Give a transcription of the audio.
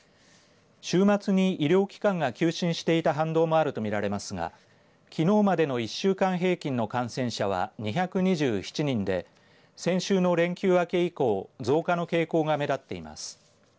週末に医療機関が休診していた反動もあるとみられますがきのうまでの１週間平均の感染者は２２７人で先週の連休明け以降増加の傾向が目立っています。